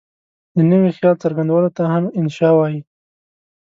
د نوي خیال څرګندولو ته هم انشأ وايي.